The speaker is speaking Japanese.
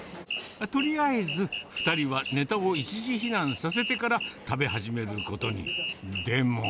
とりあえず、２人はねたを一時避難させてから食べ始めることに。